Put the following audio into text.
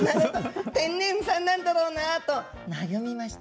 天然さんなんだろうなと和みました。